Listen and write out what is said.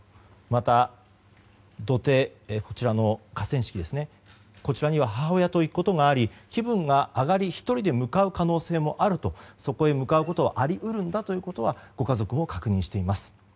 また土手、こちらの河川敷にはこちらには母親と行くことがあり気分が上がり１人で向かう可能性もあるとそこへ向かうことはあり得るんだということはご家族も確認しています。